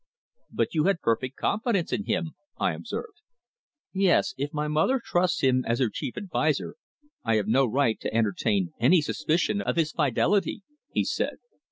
"But you had perfect confidence in him," I observed. "Yes. If my mother trusts him as her chief adviser I have no right to entertain any suspicion of his fidelity," he said.